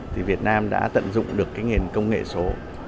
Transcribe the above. thì việt nam đã tận dụng được cái nền công nghệ số